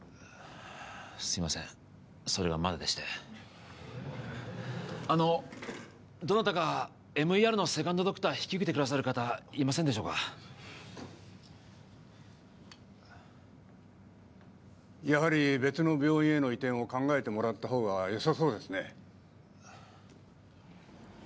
すいませんそれがまだでしてあのどなたかＭＥＲのセカンドドクター引き受けてくださる方いませんでしょうかやはり別の病院への移転を考えてもらった方がよさそうですね